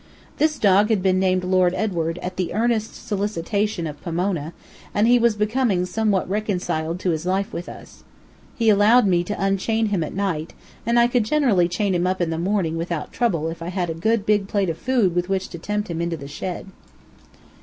This dog had been named Lord Edward, at the earnest solicitation of Pomona, and he was becoming somewhat reconciled to his life with us. He allowed me to unchain him at night and I could generally chain him up in the morning without trouble if I had a good big plate of food with which to tempt him into the shed.